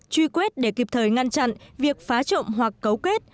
truy quét để kịp thời ngăn chặn việc phá trộm hoặc cấu kết